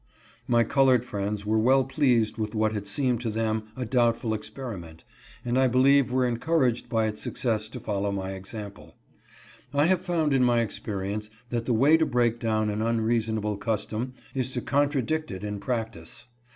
My colored friends were well pleased with what had seemed to them a doubtful experiment, and I believe were encouraged by its success to follow my example. * I have found in my experience that the way to break down an unreasonable custom, is to contradict it in practice.